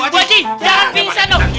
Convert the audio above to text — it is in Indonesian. bu haji jangan pingsan dong